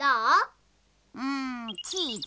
うんチーズ。